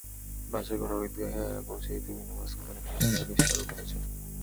বাসে করেও ঈদগাহে পৌঁছে দিতে বিভিন্ন বাস কোম্পানি বিশেষ সার্ভিস চালু করছে।